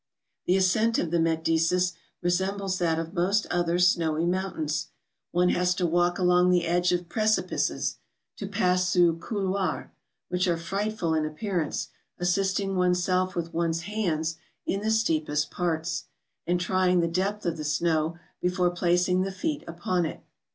The ascent of the Metdesis resembles that of most other snowy mountains; one has to walk along the edge of precipices, to pass through couloirs, which are frightful in appearance, assisting oneself with one's hands in the steepest parts, and trying the depth of the snow before placing the feet upon it.